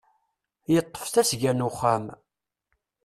Yeṭṭef tasga n uxxam.